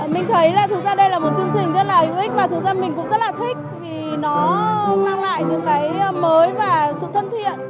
mình thấy là thực ra đây là một chương trình rất là hữu ích và thực ra mình cũng rất là thích vì nó mang lại những cái mới và sự thân thiện